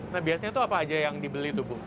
nah biasanya itu apa aja yang dibeli tuh bu